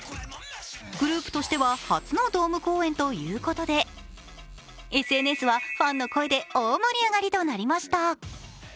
グループとしては初のドーム公演ということでＳＮＳはファンの声で大盛り上がりとなりました。